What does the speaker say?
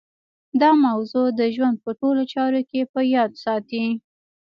دا موضوع د ژوند په ټولو چارو کې په ياد ساتئ.